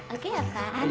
oke ya pak